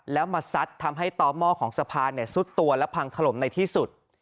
แล้วมาซัดทำให้ต่อหม้อของสะพานซุดตัวและพังถล่มในที่สุด